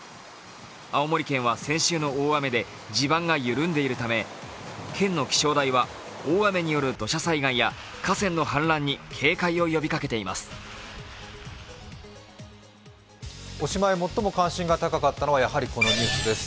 青森県は先週の大雨の影響で地盤が緩んでいるため県の気象台は、大雨による土砂災害や河川の氾濫に警戒を呼びかけています。